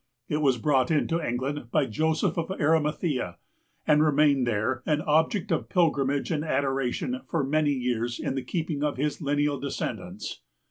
It was brought into England by Joseph of Arimathea, and remained there, an object of pilgrimage and adoration, for many years in the keeping of his lineal descendants.